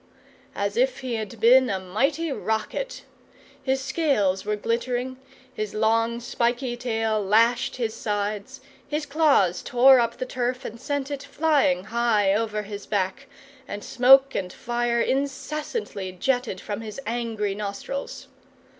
as if he had been a mighty rocket! His scales were glittering, his long spiky tail lashed his sides, his claws tore up the turf and sent it flying high over his back, and smoke and fire incessantly jetted from his angry nostrils.